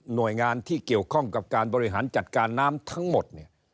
หน่วยงานที่เกี่ยวข้องกับการบริหารจัดการน้ำทั้งหมดเนี่ย